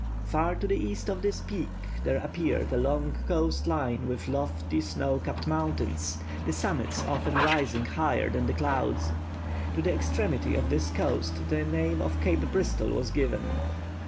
Far to the east of this peak there appeared a long coast line with lofty, snow capped mountains, the summits often rising higher than the clouds. To the extremity of this coast the name of Cape Bristol was given.